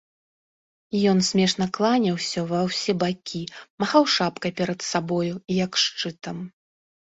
Ён смешна кланяўся ва ўсе бакі, махаў шапкай перад сабою, як шчытам.